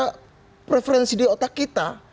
karena preferensi di otak kita